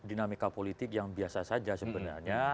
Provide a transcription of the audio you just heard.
dan dinamika politik yang biasa saja sebenarnya